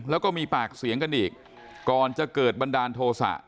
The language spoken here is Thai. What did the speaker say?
แล้วก็มีปากเสียงกันอีกก่อนจะเกิดบันดาลโทษะ